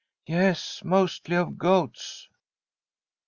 ' Yes, mostly of goats.'